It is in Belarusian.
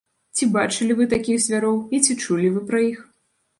Ці бачылі вы такіх звяроў і ці чулі вы пра іх?